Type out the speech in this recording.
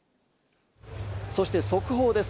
そして速報です。